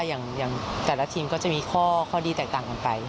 อย่างแต่ละทีมก็จะมีข้อดีแตกต่างกันไป